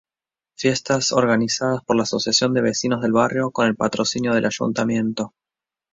Fiestas organizadas por la Asociación de Vecinos del barrio con el patrocinio del Ayuntamiento.